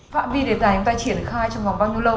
phạm vi đề tài chúng ta triển khai trong vòng bao nhiêu lâu